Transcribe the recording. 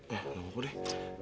ya nunggu deh